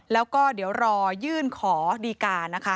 แล้วก็เดี๋ยวรอยื่นขอดีการนะคะ